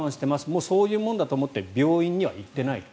もうそういうものだと思って病院には行っていないと。